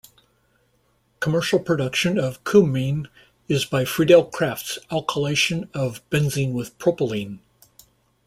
Commercial production of cumene is by Friedel-Crafts alkylation of benzene with propylene.